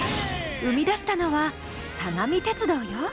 生み出したのは相模鉄道よ。